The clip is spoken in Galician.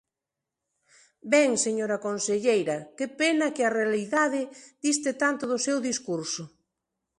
Ben, señora conselleira, ¡que pena que a realidade diste tanto do seu discurso!